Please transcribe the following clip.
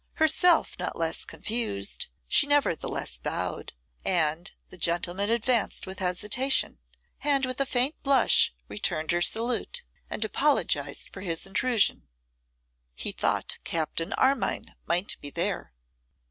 Herself not less confused, she nevertheless bowed, and the gentleman advanced with hesitation, and with a faint blush returned her salute, and apologised for his intrusion. 'He thought Captain Armine might be there.